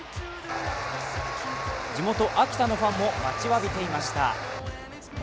地元・秋田のファンも待ちわびていました。